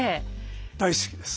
大好きです。